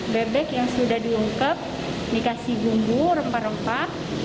bebek yang sudah diungkep dikasih bumbu rempah rempah